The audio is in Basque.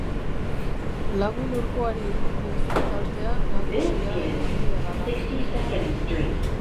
Lagun hurkoari egin diozun kaltea nagusia edo handia bada.